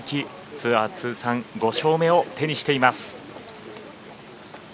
ツアー通算５勝目を手にしています。